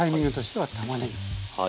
はい。